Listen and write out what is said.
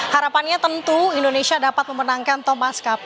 harapannya tentu indonesia dapat memenangkan thomas cup